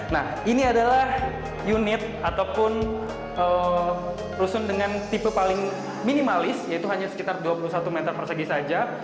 nah ini adalah unit ataupun rusun dengan tipe paling minimalis yaitu hanya sekitar dua puluh satu meter persegi saja